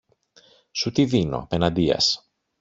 Σου τη δίνω, απεναντίας